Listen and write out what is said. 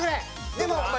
でも。